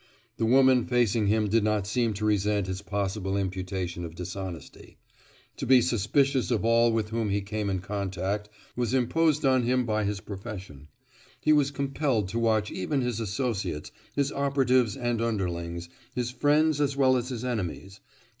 The woman facing him did not seem to resent his possible imputation of dishonesty. To be suspicious of all with whom he came in contact was imposed on him by his profession. He was compelled to watch even his associates, his operatives and underlings, his friends as well as his enemies.